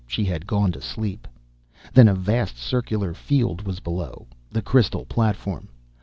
She had gone to sleep. Then a vast, circular field was below the crystal platform.